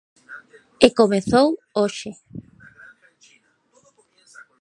E comezou hoxe.